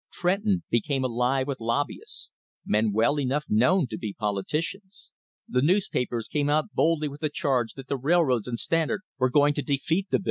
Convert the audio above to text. Trenton became alive with lobbyists men well enough known to politicians. The newspapers came out boldly with the charge that the rail roads and Standard were going to defeat the bill.